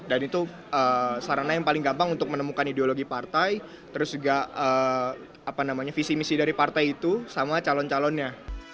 dan itu sarana yang paling gampang untuk menemukan ideologi partai terus juga visi misi dari partai itu sama calon calonnya